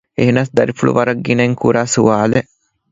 އެހެނަސް ދަރިފުޅު ވަރަށް ގިނައިން ކުރާ ސުވާލެއް